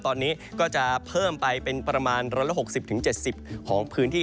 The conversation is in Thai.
ตอนนี้ก็จะเพิ่มไปเป็นประมาณ๑๖๐๗๐ของพื้นที่